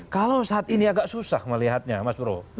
kalau saat ini agak susah melihatnya mas bro